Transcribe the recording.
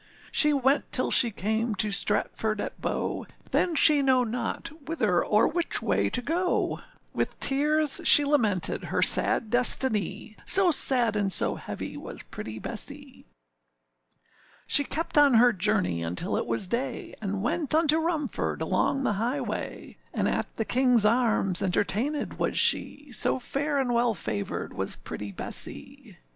She went till she came to Stratford at Bow, Then she know not whither or which way to go, With tears she lamented her sad destiny; So sad and so heavy was pretty Bessee. She kept on her journey until it was day, And went unto Rumford, along the highway; And at the Kingâs Arms entertainèd was she, So fair and well favoured was pretty Bessee.